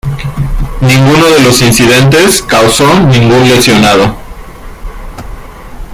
Ninguno de los incidentes causó ningún lesionado.